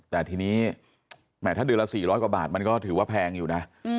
แต่ทีนี้แหมถ้าเดือนละ๔๐๐กว่าบาทมันก็ถือว่าแพงอยู่นะ